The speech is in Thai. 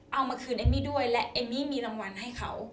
เอามาคืนเอมมี่ด้วยและเอมมี่มีรางวัลให้เขา